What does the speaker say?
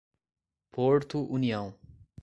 Porto União